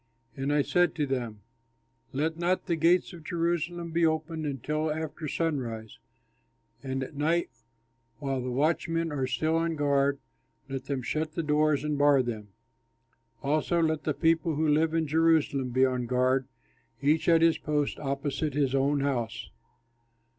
And I said to them, "Let not the gates of Jerusalem be opened until after sunrise; and at night, while the watchmen are still on guard, let them shut the doors and bar them. Also let the people who live in Jerusalem be on guard, each at his post opposite his own house."